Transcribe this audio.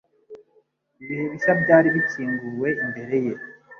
Ibihe bishya byari bikinguwe imbere ye.